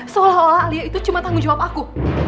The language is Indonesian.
seolah olah alia itu cuma tanggung jawab aku